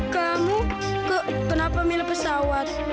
kamu kok kenapa milih pesawat